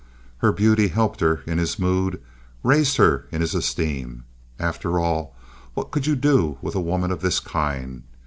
Her beauty helped her in his mood, raised her in his esteem. After all, what could you do with a woman of this kind?